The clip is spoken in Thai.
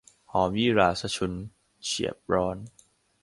หอมยี่หร่ารสฉุน เฉียบร้อน